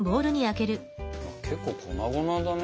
結構粉々だね。